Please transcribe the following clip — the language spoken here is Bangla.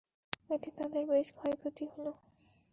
এতে তাঁদের বেশ ক্ষয়ক্ষতি হলো।